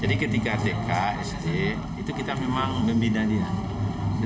jadi ketika tk sd itu kita memang membina diri